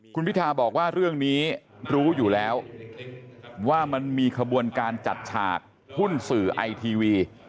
คุณพิทาบอกว่าเรื่องนี้รู้อยู่แล้วว่ามันมีขบวนการจัดฉากหุ้นสื่อไอทีวี